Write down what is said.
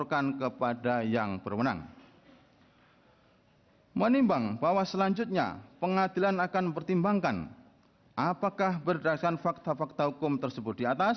kepulauan seribu kepulauan seribu